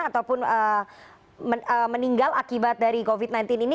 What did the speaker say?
ataupun meninggal akibat dari covid sembilan belas ini